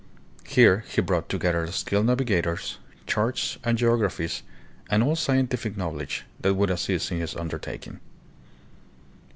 Here he brought together skilled navigators, charts, and geographies, and all scientific knowledge that would assist in his undertaking.